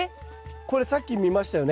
これさっき見ましたよね